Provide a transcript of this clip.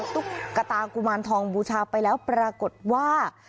ตุ๊กตากุมารทองบูชาไปแล้วปรากฏว่า